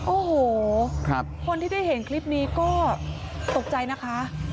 โอ้โหคนที่ได้เห็นคลิปนี้ก็ตกใจนะคะ